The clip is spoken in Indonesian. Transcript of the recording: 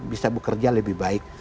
bisa bekerja lebih baik